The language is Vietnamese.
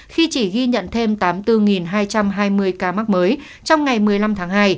khi chỉ ghi nhận thêm tám mươi bốn hai trăm hai mươi ca mắc mới trong ngày một mươi năm tháng hai